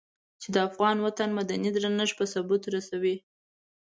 چې د افغان وطن مدني درنښت په ثبوت رسوي.